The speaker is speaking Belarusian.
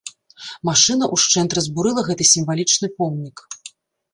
Машына ўшчэнт разбурыла гэты сімвалічны помнік.